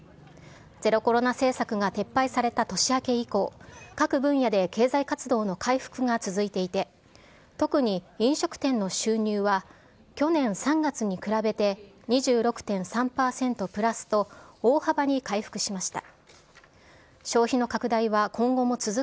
ゼロコロナ政策が撤廃された年明け以降、各分野で経済活動の回復が続いていて、特に飲食店の収入は、去年３月に比べて２６．３％プラスと、大幅に回復しました。